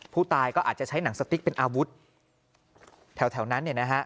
ผู้ตายก็อาจจะใช้หนังสติ๊กเป็นอาวุธแถวนั้นเนี่ยนะฮะ